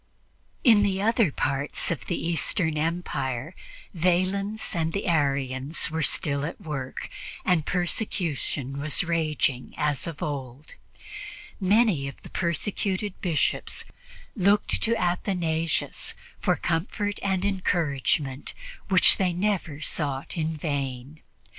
In the other parts of the Eastern empire Valens and the Arians were still at work, and persecution was raging as of old. Many of the persecuted Bishops looked to Athanasius for the comfort and encouragement which they never sought in vain.